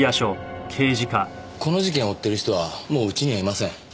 この事件を追ってる人はもううちにはいません。